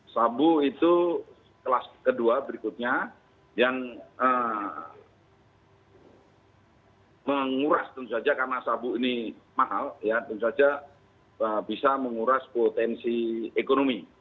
sabu itu kelas kedua berikutnya yang menguras karena sabu ini mahal bisa menguras potensi ekonomi